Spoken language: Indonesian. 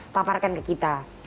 paparkan ke kita